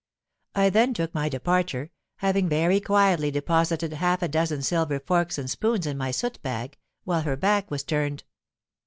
I then took my departure, having very quietly deposited half a dozen silver forks and spoons in my soot bag, while her back was turned.